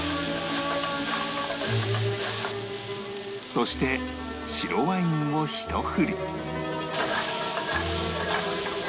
そして白ワインをひと振り